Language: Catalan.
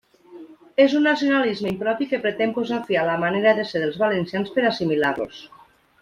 És un nacionalisme impropi que pretén posar fi a la manera de ser dels valencians per a assimilar-los.